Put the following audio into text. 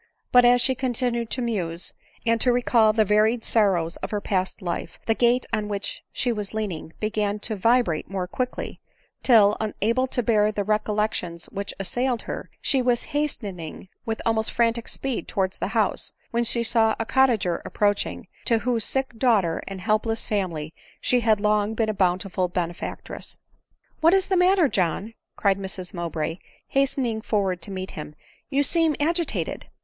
But, as she continued to muse, and to recall the va ried sorrows of her past life, the gate on which she lean ed began to vibrate more quickly } till, unable to bear the recollections which assailed her, she was hastening with almost frantic speed towards the house, when she saw a cottager approaching, to whose sick daughter and helpless family she had long been a bountiful benefac tress. " What is the matter, John ?" cried Mrs Mowbray, hastening forward to meet him —" you seem agitated."